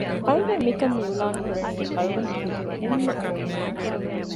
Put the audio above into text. އަޅުގަނޑު މިކަން މިއިއުލާންކުރަނީ އަޅުގަނޑުގެ ހިތުގެ އެންމެ ފުންމިނުން